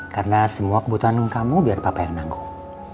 karena semua kebutuhan kamu biar papa yang nanggung